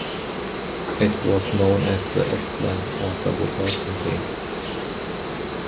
It was known as the S-Plan or Sabotage Campaign.